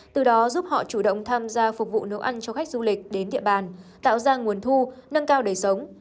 từ đó giúp họ chủ động tham gia phục vụ nấu ăn cho khách du lịch đến địa bàn tạo ra nguồn thu nâng cao đời sống